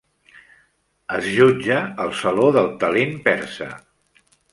És jutge al "Saló del Talent Persa".